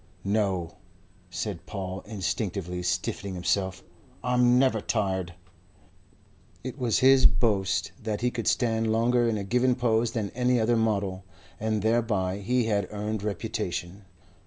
"No," said Paul, instinctively stiffening himself. "I'm never tired." It was his boast that he could stand longer in a given pose than any other model, and thereby he had earned reputation.